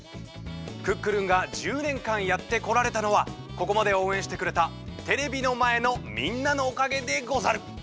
「クックルン」が１０年かんやってこられたのはここまでおうえんしてくれたテレビのまえのみんなのおかげでござる！